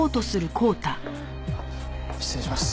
失礼します。